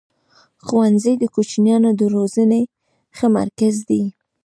ښوونځی د کوچنیانو د روزني ښه مرکز دی.